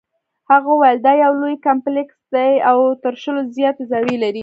هغه وویل دا یو لوی کمپلیکس دی او تر شلو زیاتې زاویې لري.